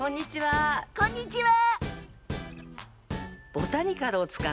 こんにちは。